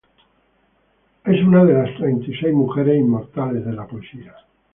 Es una de las treinta y seis mujeres inmortales de la poesía.